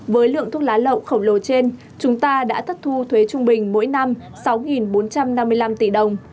với lượng thuốc lá lậu khổng lồ trên chúng ta đã thất thu thuế trung bình mỗi năm sáu bốn trăm năm mươi năm tỷ đồng